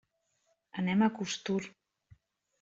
Anem a Costur.